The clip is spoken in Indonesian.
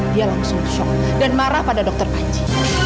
dia langsung shock dan marah pada dokter panji